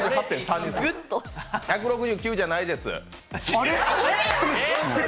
１６９じゃないです。